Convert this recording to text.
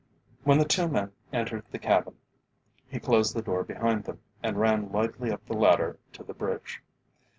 When the two men entered the cabin, he closed the door behind them and ran lightly up the ladder to the bridge.